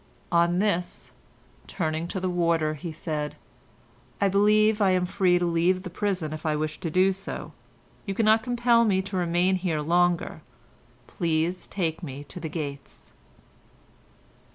On this, turning to the warder, he said: "I believe I am free to leave the prison if I wish to do so. You cannot compel me to remain here longer. Please take me to the gates."